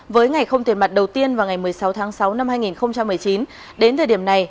với ngày không tiền mặt đầu tiên vào ngày một mươi sáu tháng sáu năm hai nghìn một mươi chín đến thời điểm này